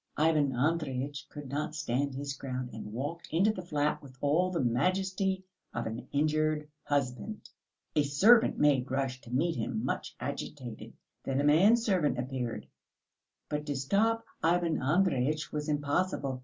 Ivan Andreyitch could not stand his ground, and walked into the flat with all the majesty of an injured husband. A servant maid rushed to meet him much agitated, then a man servant appeared. But to stop Ivan Andreyitch was impossible.